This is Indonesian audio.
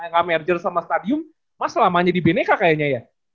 gak merger sama stadium mas selama jadi bineka kayaknya ya